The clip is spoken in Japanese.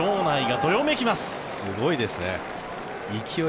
すごいですね。